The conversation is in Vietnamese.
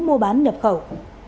mua bán nhập khẩu